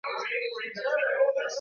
Lenye mioto.